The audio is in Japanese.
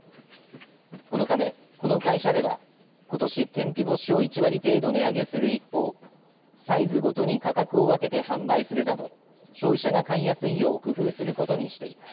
このため、この会社ではことし、天日干しを１割程度値上げする一方サイズごとに価格を分けて販売するなど消費者が買いやすいよう工夫することにしています。